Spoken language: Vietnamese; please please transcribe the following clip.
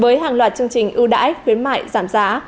với hàng loạt chương trình ưu đãi khuyến mại giảm giá